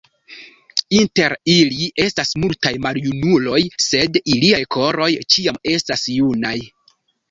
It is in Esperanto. Inter ili estas multaj maljunuloj, sed iliaj koroj ĉiam estas junaj.